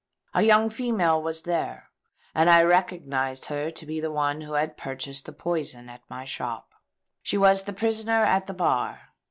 A young female was there; and I recognised her to be the one who had purchased the poison at my shop. She is the prisoner at the bar.